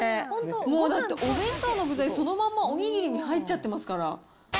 もう、だってお弁当の具材、そのままお握りに入っちゃってますから。